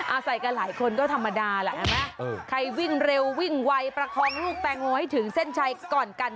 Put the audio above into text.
อาศัยกันหลายคนก็ธรรมดาแหละเห็นไหมใครวิ่งเร็ววิ่งไวประคองลูกแตงโมให้ถึงเส้นชัยก่อนกัน